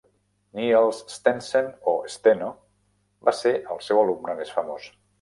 Niels Stensen o Steno va ser el seu alumne més famós.